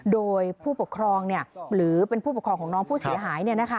โดยผู้ปกครองหรือเป็นผู้ปกครองของน้องผู้เสียหาย